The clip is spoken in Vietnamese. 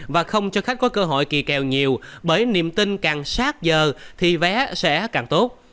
và không cho khách có cơ hội kỳ kèo nhiều bởi niềm tin càng sát giờ thì vé sẽ càng tốt